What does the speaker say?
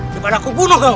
di depan aku bunuh kau